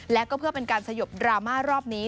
และก็เพื่อเป็นการสยบดราม่ารอบนี้